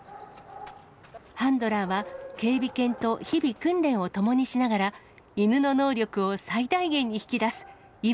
ハンドラーは、警備犬と日々訓練を共にしながら、犬の能力を最大限に引き出す、跳べ！